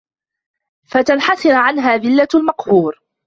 فَتَنْحَسِرُ عَنْهَا ذِلَّةُ الْمَقْهُورِ